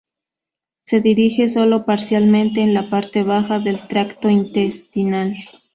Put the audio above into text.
Se digiere sólo parcialmente en la parte baja del tracto intestinal.